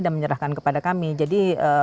dan menyerahkan kepada kami